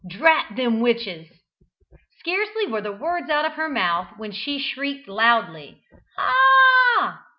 Drat them witches!" Scarcely were the words out of her mouth when she shrieked loudly "Ah a ah!"